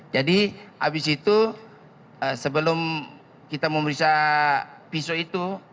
jadi habis itu sebelum kita memeriksa pisau itu